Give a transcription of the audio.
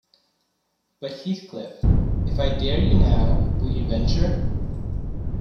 But, Heathcliff, if I dare you now, will you venture?